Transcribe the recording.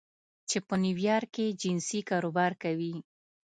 چې په نیویارک کې جنسي کاروبار کوي